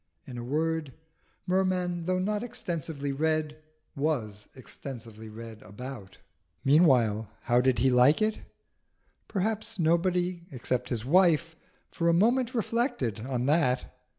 In a word, Merman, though not extensively read, was extensively read about. Meanwhile, how did he like it? Perhaps nobody, except his wife, for a moment reflected on that.